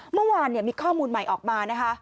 เมื่อวานมีข้อมูลใหม่ออกมานะคะ